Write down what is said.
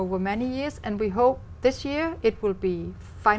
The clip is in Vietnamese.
thêm nhiều kế hoạch tự nhiên